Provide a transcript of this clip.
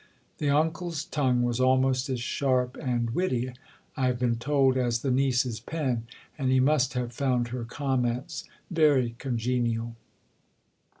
The uncle's tongue was almost as sharp and witty, I have been told, as the niece's pen, and he must have found her comments very congenial.